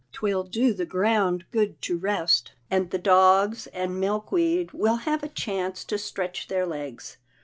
'Twill do the ground good to rest, and the dogs and Milkweed will have a chance to stretch their legs.